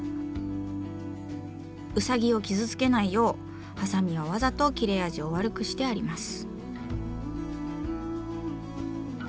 ウサギを傷つけないようハサミはわざと切れ味を悪くしてあります。